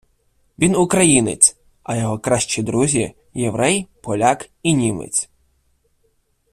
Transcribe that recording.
Він українець, а його кращі друзі – єврей, поляк і німець.